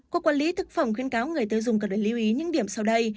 cuộc quản lý thực phẩm khuyên cáo người tư dùng cần để lưu ý những điểm sau đây